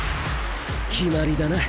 決まりだな。